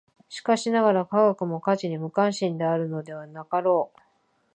しかしながら、科学も価値に無関心であるのではなかろう。